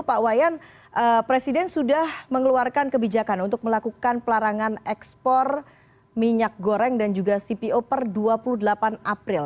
pak wayan presiden sudah mengeluarkan kebijakan untuk melakukan pelarangan ekspor minyak goreng dan juga cpo per dua puluh delapan april